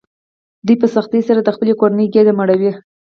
دوی په سختۍ سره د خپلې کورنۍ ګېډه مړوي